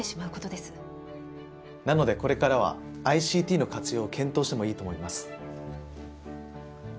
なのでこれからはＩＣＴの活用を検討してもいいと思います。